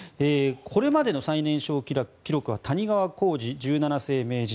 これまでの最年少記録は谷川浩司十七世名人。